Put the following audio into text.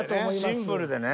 シンプルでね。